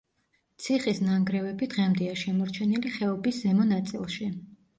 ციხის ნანგრევები დღემდეა შემორჩენილი ხეობის ზემო ნაწილში.